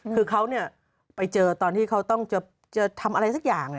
คือเขาไปเจอตอนที่เขาต้องจะทำอะไรสักอย่าง